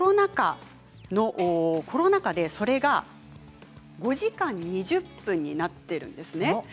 コロナ禍で、それが５時間２０分になっているんです。